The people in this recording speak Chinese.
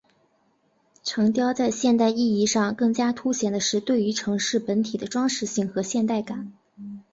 城雕在现代意义上更加凸显的是对于城市本体的装饰性和现代感。